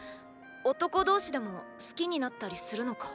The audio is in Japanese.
男同士でも好きになったりするのか？